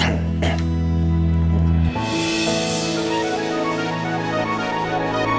bukan gue mau ke rumah